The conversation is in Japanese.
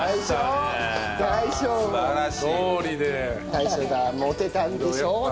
大将がモテたんでしょうね